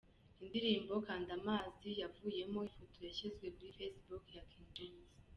Indirimbo "Kanda amazi" yavuyemo ifoto yashyizwe kuri facebook ya King James.